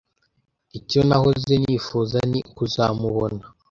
Icyo nahoze nifuza ni ukuzamubona